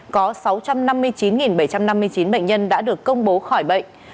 có sáu trăm năm mươi chín bảy trăm năm mươi chín bệnh nhân đã được công bố khỏi bệnh